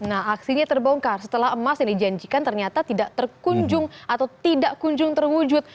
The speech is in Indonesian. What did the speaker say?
nah aksinya terbongkar setelah emas yang dijanjikan ternyata tidak terkunjung atau tidak kunjung terwujud